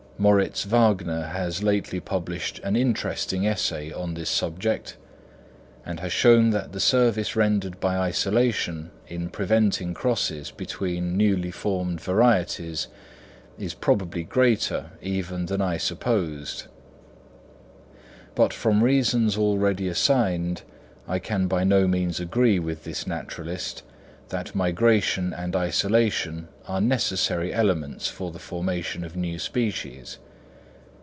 Moritz Wagner has lately published an interesting essay on this subject, and has shown that the service rendered by isolation in preventing crosses between newly formed varieties is probably greater even than I supposed. But from reasons already assigned I can by no means agree with this naturalist, that migration and isolation are necessary elements for the formation of new species.